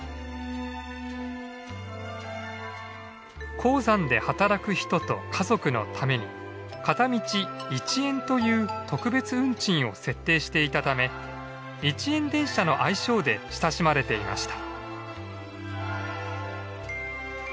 鉱山で働く人と家族のために片道１円という特別運賃を設定していたため「一円電車」の愛称で親しまれていました。